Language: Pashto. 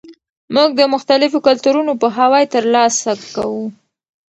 موږ د مختلفو کلتورونو پوهاوی ترلاسه کوو.